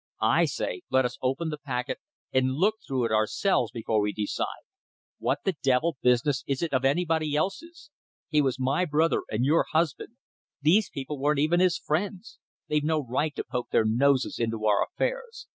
"I say let us open the packet and look it through ourselves before we decide. What the devil business is it of anybody else's. He was my brother and your husband. These people weren't even his friends. They've no right to poke their noses into our affairs.